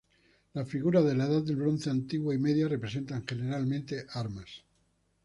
Las figuras de la Edad del Bronce antigua y media representan generalmente armas.